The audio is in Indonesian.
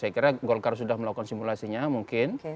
saya kira golkar sudah melakukan simulasinya mungkin